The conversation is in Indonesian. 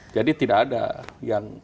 jadi tidak ada yang